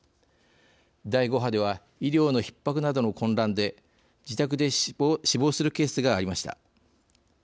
第５波では医療のひっ迫などの混乱で自宅で死亡するケースがありました。